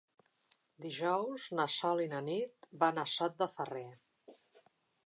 Dijous na Sol i na Nit van a Sot de Ferrer.